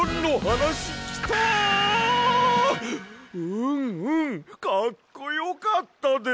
うんうんかっこよかったで！